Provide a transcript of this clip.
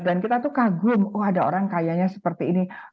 dan kita tuh kagum oh ada orang kayaknya seperti ini